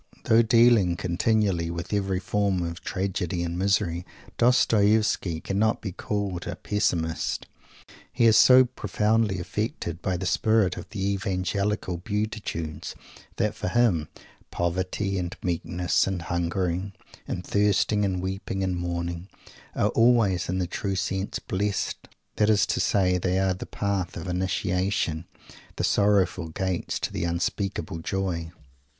Though dealing continually with every form of tragedy and misery, Dostoievsky cannot be called a Pessimist. He is so profoundly affected by the spirit of the Evangelical "Beatitudes" that for him "poverty" and "meekness" and "hungering and thirsting" and "weeping and mourning" are always in the true sense "blessed" that is to say, they are the path of initiation, the sorrowful gates to the unspeakable joy.